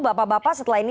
bapak bapak setelah ini